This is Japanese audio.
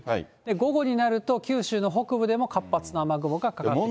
午後になると、九州の北部でも活発な雨雲がかかってきます。